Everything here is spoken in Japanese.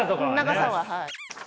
長さははい。